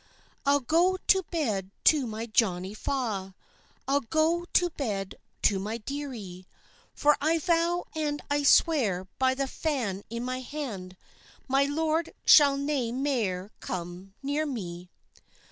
"I'll go to bed to my Johnie Faw, I'll go to bed to my dearie; For I vow and I swear by the fan in my hand, My lord shall nae mair come near me.